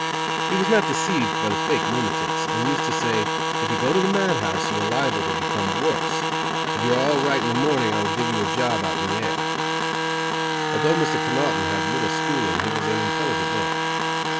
He was not deceived by the fake lunatics, and used to say: "If you go to the mad house, you are liable to become worse. If you are all right in the morning I will give you a job out in the air." Although Mr. Connoughton had had little schooling he was an intelligent man.